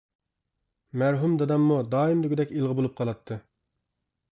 مەرھۇم داداممۇ دائىم دېگۈدەك ئىلغا بولۇپ قالاتتى.